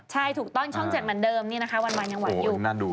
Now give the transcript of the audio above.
ใช่ถูกต้อนช่องเจ็ดเหมือนเดิมวันวานยังหวานอยู่